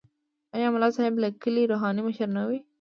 آیا ملا صاحب د کلي روحاني مشر نه وي؟